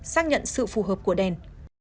xác nhận sự phù hợp của đèn